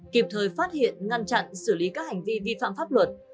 kịp thời phát hiện ngăn chặn xử lý các hành vi vi phạm pháp luật